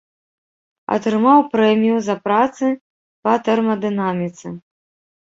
Атрымаў прэмію за працы па тэрмадынаміцы.